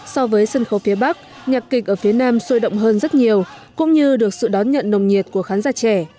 so với sân khấu phía bắc nhạc kịch ở phía nam sôi động hơn rất nhiều cũng như được sự đón nhận nồng nhiệt của khán giả trẻ